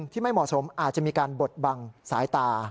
ไม่เหมาะสมอาจจะมีการบดบังสายตา